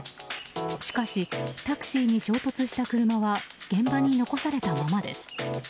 しかし、タクシーに衝突した車は現場に残されたままです。